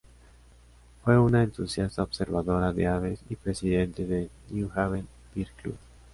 Fue una entusiasta observadora de aves y presidente del New Haven Bird Club.